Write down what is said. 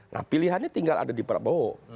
nah pilihannya tinggal ada di prabowo